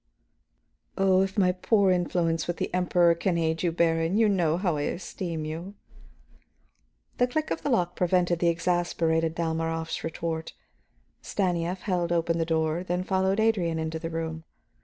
"Oh, if my poor influence with the Emperor can aid you, Baron! You know how I esteem you." The click of the lock prevented the exasperated Dalmorov's retort. Stanief held open the door, then followed Adrian into the room.